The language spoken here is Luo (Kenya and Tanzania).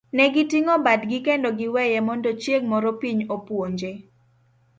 Negi ting'o badgi kendo giweye mondo chieng' moro piny opuonje.